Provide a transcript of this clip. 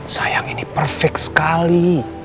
sayang ini perfect sekali